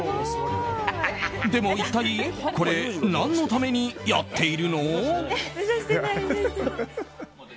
でも一体これ何のためにやっているの？